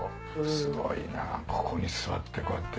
すごいなここに座ってこうやって。